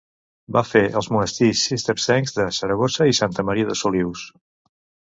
Va fer els monestirs cistercencs de Saragossa i de Santa Maria de Solius.